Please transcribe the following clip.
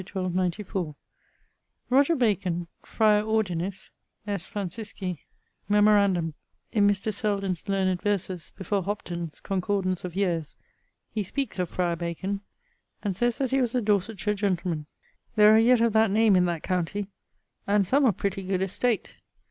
Roger Bacon, friar ordinis : Memorandum, in Mr. Selden's learned verses before Hopton's Concordance of yeares, he speakes of friar Bacon, and sayes that he was a Dorsetshire gentleman. There are yet of that name in that countie, and some of pretty good estate.